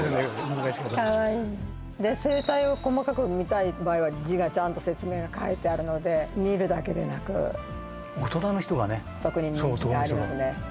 動かし方かわいい生態を細かく見たい場合は字がちゃんと説明が書いてあるので見るだけでなく大人の人がねそう男の人が特に人気がありますね